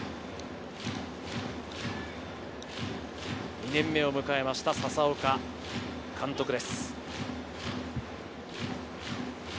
２年目を迎えました佐々岡監督です。